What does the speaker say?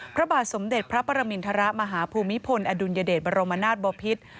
พระบาทสมเด็จพระปรมินทรมาฮภูมิพลอดุลยเดชบรมนาศบอพิษ